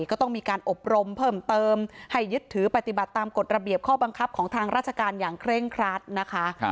ก็ต้องมีการอบรมเพิ่มเติมให้ยึดถือปฏิบัติตามกฎระเบียบข้อบังคับของทางราชการอย่างเคร่งครัดนะคะ